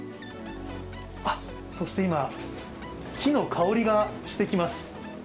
あっ、そして今、木の香りがしてきます。